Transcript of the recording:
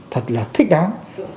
thật là thích đáng